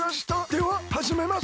でははじめます。